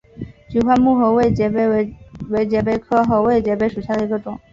菊花木合位节蜱为节蜱科合位节蜱属下的一个种。